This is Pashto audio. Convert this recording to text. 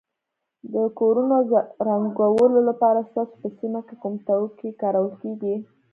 د کورونو رنګولو لپاره ستاسو په سیمه کې کوم توکي کارول کیږي.